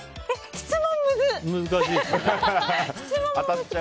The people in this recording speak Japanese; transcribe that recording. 質問。